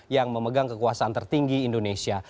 yang memegang kekuasaan tertinggi indonesia